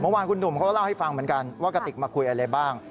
เมื่อวานคุณหนุ่มเขาก็เล่าให้ฟังเหมือนกันว่ากระติกมาคุยอะไรบ้าง